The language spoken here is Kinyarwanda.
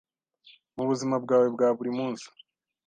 mu buzima bwawe bwa buri munsi,